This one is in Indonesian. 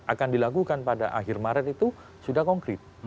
akan dilakukan pada akhir maret itu sudah konkret